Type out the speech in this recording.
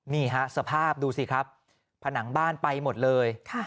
นี่ฮะสภาพดูสิครับผนังบ้านไปหมดเลย